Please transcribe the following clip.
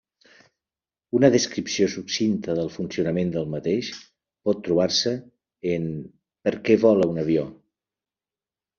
Una descripció succinta del funcionament del mateix pot trobar-se en Per què vola un avió.